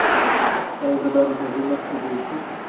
ایا زه باید له ډوډۍ مخکې اوبه وڅښم؟